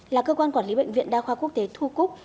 là cơ quan quản lý bệnh viện đa khoa quốc tế thu cúc